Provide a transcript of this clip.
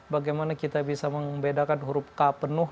bagaimana kita bisa membedakan huruf k penuh